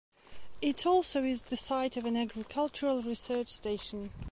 It also is the site of an agricultural research station.